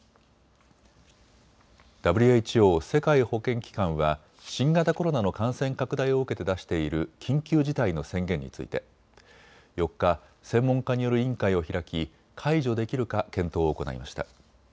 ＷＨＯ・世界保健機関は新型コロナの感染拡大を受けて出している緊急事態の宣言について４日、専門家による委員会を開き解除できるか検討を行いました。